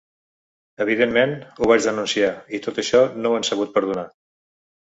Evidentment, ho vaig denunciar i tot això no ho han sabut perdonar.